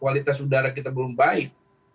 kualitas udara kita belum baik